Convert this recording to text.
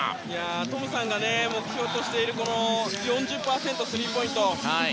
トムさんが目標としているスリーポイント４０％。